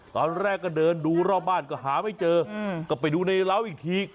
ตอนแรกก็เดินดูรอบบ้านก็หาไม่เจอก็ไปดูในร้าวอีกที